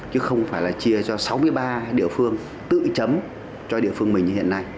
chứ không phải là chia cho sáu mươi ba địa phương tự chấm cho địa phương mình như hiện nay